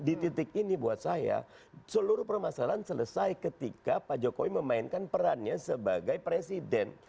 di titik ini buat saya seluruh permasalahan selesai ketika pak jokowi memainkan perannya sebagai presiden